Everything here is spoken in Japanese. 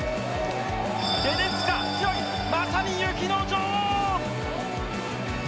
まさに雪の女王！